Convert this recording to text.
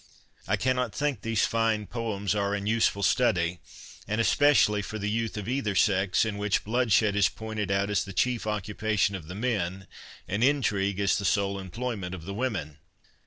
I cannot think these fine poems are an useful study, and especially for the youth of either sex, in which bloodshed is pointed out as the chief occupation of the men, and intrigue as the sole employment of the women."